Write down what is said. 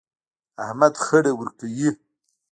احمد خړه ورکوي.